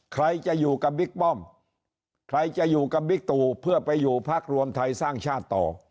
ใครจะอยู่กับบิ๊กป้อมใครจะอยู่กับบิ๊กตู่เพื่อไปอยู่พักรวมไทยสร้างชาติต่อ